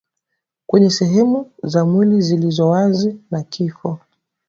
kwenye sehemu za mwili zilizo wazi na kifo